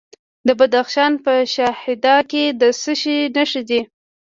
د بدخشان په شهدا کې د څه شي نښې دي؟